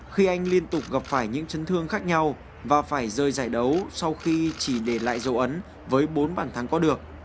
khi anh liên tục gặp phải những chấn thương khác nhau và phải rời giải đấu sau khi chỉ để lại dấu ấn với bốn bàn thắng có được